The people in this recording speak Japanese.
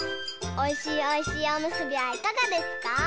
おいしいおいしいおむすびはいかがですか？